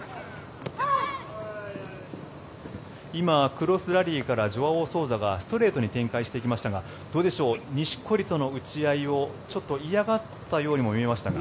今、クロスラリーからジョアオ・ソウザがストレートに展開していきましたがどうでしょう錦織との打ち合いをちょっと嫌がったようにも見えましたが。